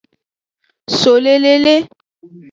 So le lele.